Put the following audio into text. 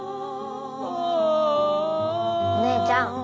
お姉ちゃん。